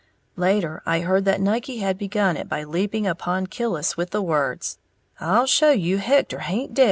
Later, I heard that Nucky had begun it by leaping upon Killis with the words, "I'll show you Hector haint dead yet!"